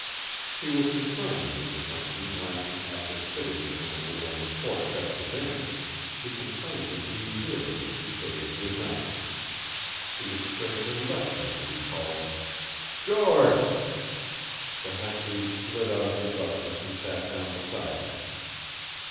She was confirmed in this assumption when, after sitting with him a little on the porch after dinner, she complained of being weary and bade him good night. She had scarcely left him when he called: "George!" The half breed slid out of the darkness and sat down beside him.